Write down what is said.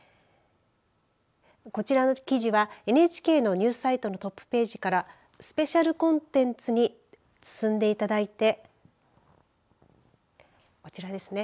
こちらの記事はＮＨＫのニュースサイトのトップページからスペシャルコンテンツに進んでいただいてこちらですね。